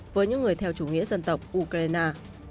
với những người theo chủ nghĩa dân tộc ukraine